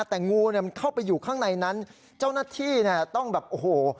แต่งูเนี่ยมันเข้าไปอยู่ข้างในนั้นเจ้าหน้าที่เนี่ยต้องแบบโอ้โห